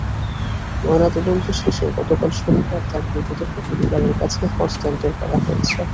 ময়নাতদন্ত শেষে গতকাল শনিবার তার মৃতদেহ পরিবারের কাছে হস্তান্তর করা হয়েছে।